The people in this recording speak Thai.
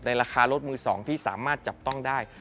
ราคารถมือ๒ที่สามารถจับต้องได้